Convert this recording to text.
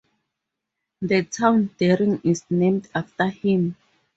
The town Deering is named after him.